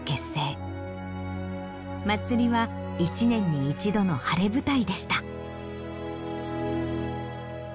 まつりは１年に１度の晴れ舞台でした。